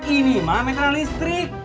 ini mah meteran listrik